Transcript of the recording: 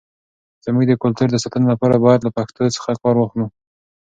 زموږ د کلتور د ساتنې لپاره، باید له پښتو څخه کار واخلو.